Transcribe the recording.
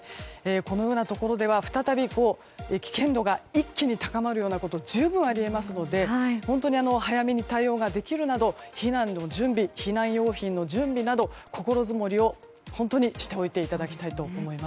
このようなところでは再び危険度が、一気に高まるようなこと十分あり得ますので本当に早めに対応ができるよう避難用品の準備など心づもりを本当にしておいていただきたいと思います。